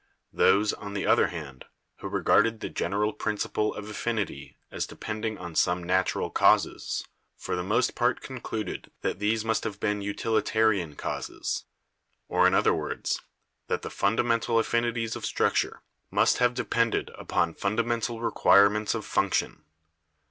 Those, on the other hand, who regarded the general principle of affinity as depending on some natural causes, for the most part concluded that these must have been utilitarian causes; or, in other words, that the fundamental affini ties of structure must have depended upon fundamental EVIDENCES OF ORGANIC EVOLUTION 165 requirements of function.